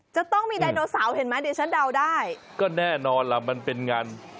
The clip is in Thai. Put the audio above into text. จะต้องมีไดโนเสาร์เห็นไหมเดี๋ยวฉันเดาได้ก็แน่นอนล่ะมันเป็นงาน